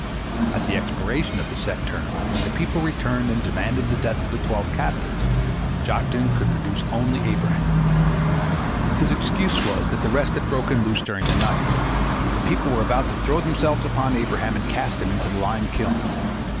At the expiration of the set term, when the people returned and demanded the death of the twelve captives, Joktan could produce only Abraham. His excuse was that the rest had broken loose during the night. The people were about to throw themselves upon Abraham and cast him into the lime kiln.